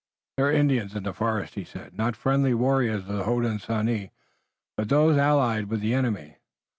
"There are Indians in the forest," he said, "not friendly warriors of the Hodenosaunee, but those allied with the enemy.